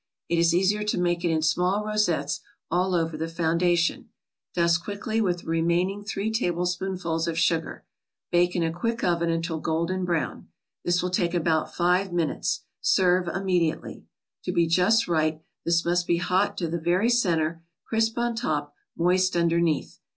It is easier to make it in small rosettes all over the foundation. Dust quickly with the remaining three tablespoonfuls of sugar. Bake in a quick oven until golden brown. This will take about five minutes. Serve immediately. To be just right, this must be hot to the very center, crisp on top, moist underneath.